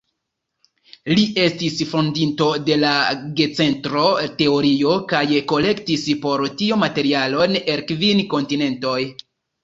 Li estis fondinto de la gencentro-teorio kaj kolektis por tio materialon el kvin kontinentoj.